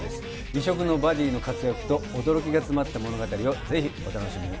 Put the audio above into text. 異色のバディの活躍と驚きが詰まった物語をぜひ、お楽しみに。